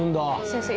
先生